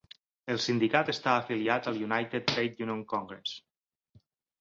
El sindicat està afiliat al United Trade Union Congress.